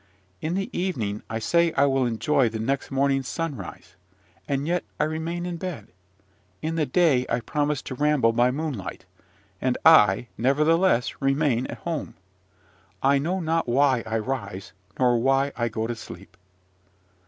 In the evening I say I will enjoy the next morning's sunrise, and yet I remain in bed: in the day I promise to ramble by moonlight; and I, nevertheless, remain at home. I know not why I rise, nor why I go to sleep.